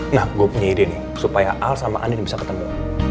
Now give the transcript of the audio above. nah gue punya ide nih supaya al sama anda bisa ketemu